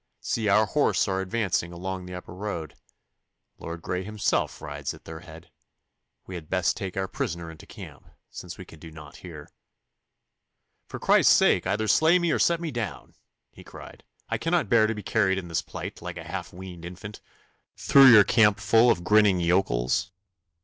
'See, our horse are advancing along the upper road. Lord Grey himself rides at their head. We had best take our prisoner into camp, since we can do nought here.' 'For Christ's sake, either slay me or set me down!' he cried. 'I cannot bear to be carried in this plight, like a half weaned infant, through your campful of grinning yokels.